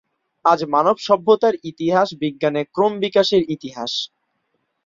আজ মানব সভ্যতার ইতিহাস বিজ্ঞানের ক্রম বিকাশের ইতিহাস।